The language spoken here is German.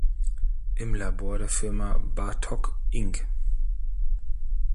Im Labor der Firma Bartok Inc.